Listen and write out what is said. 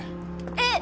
えっ？